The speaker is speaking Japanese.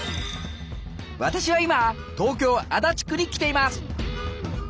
私は今東京・足立区に来ています。